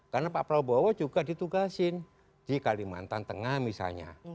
karena pak prabowo juga ditugasin di kalimantan tengah misalnya